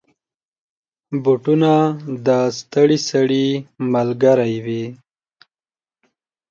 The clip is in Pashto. بوټونه د ستړي سړي ملګری وي.